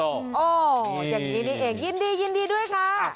อ๋ออย่างนี้นี่เองยินดีด้วยค่ะ